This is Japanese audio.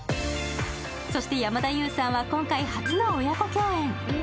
そして山田優さんは今回初の親子競演。